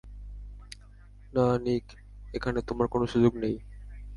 না, নিক, এখানে তোমার কোন সুযোগ নেই।